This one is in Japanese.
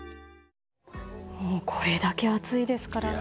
これだけ暑いですからね。